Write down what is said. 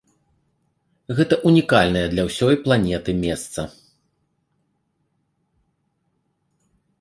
Гэта унікальнае для ўсёй планеты месца.